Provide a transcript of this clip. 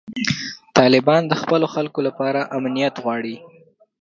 طالبان د خپلو خلکو لپاره امنیت غواړي.